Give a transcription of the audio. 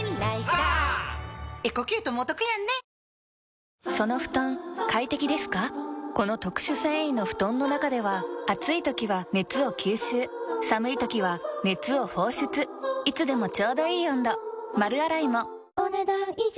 現地の記者、この特殊繊維の布団の中では暑い時は熱を吸収寒い時は熱を放出いつでもちょうどいい温度丸洗いもお、ねだん以上。